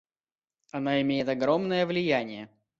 Она имеет огромное влияние.